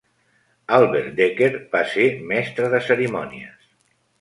Albert Dekker va ser mestre de cerimònies.